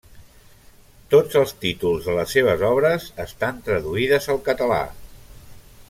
Tots els títols de les seves obres estan traduïdes al català.